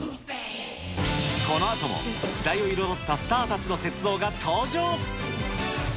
このあとも時代を彩ったスターたちの雪像が登場。